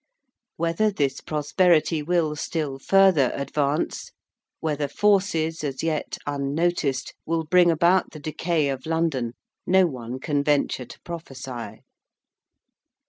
Whether this prosperity will still further advance; whether forces, as yet unnoticed, will bring about the decay of London, no one can venture to prophecy.